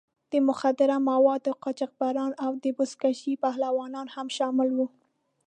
د مخدره موادو قاچاقبران او د بزکشۍ پهلوانان هم شامل وو.